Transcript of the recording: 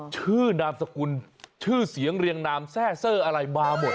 ชื่อนามสกุลชื่อเสียงเรียงนามแทร่เซอร์อะไรมาหมด